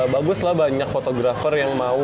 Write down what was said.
bagus lah banyak fotografer yang mau